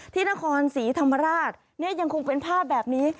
ที่นครศรีธรรมราชเนี่ยยังคงเป็นภาพแบบนี้